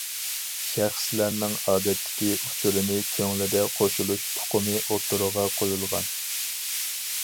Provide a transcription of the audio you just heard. شەخسلەرنىڭ ئادەتتىكى ئۇچۇرىنى كۆڭلىدە قوشۇلۇش ئۇقۇمى ئوتتۇرىغا قويۇلغان.